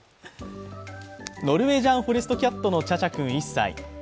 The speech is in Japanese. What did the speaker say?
ノルウェージャン・フォレストキャットのチャチャ君１歳。